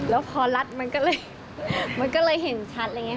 แล้วพอลัดมันก็เลยเห็นชัด